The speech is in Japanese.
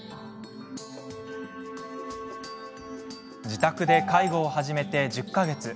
自宅で介護を始めて１０か月。